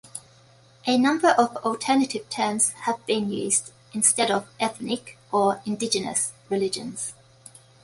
A number of alternative terms have been used instead of "ethnic" or "indigenous" religions.